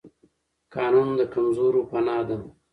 قانون د کمزورو پناه ده